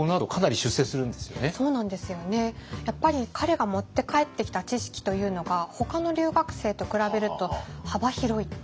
やっぱり彼が持って帰ってきた知識というのがほかの留学生と比べると幅広い。